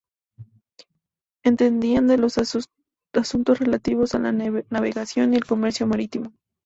Entendían de los asuntos relativos a la navegación y al comercio marítimo.